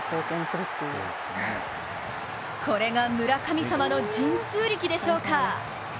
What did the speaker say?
これが村神様の神通力でしょうか。